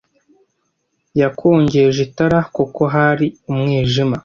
Yakongeje itara kuko hari umwijima.